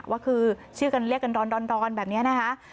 ว่าคือชื่อกันเรียกกันร้อนแบบนี้นะคะ